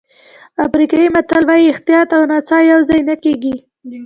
افریقایي متل وایي احتیاط او نڅا یوځای نه کېږي.